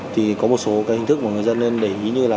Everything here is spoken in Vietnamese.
thì có một số cái hình thức mà người dân nên để ý như là